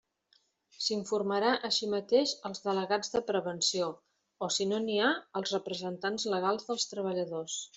S'informarà així mateix als delegats de prevenció o si no n'hi ha als representants legals dels treballadors.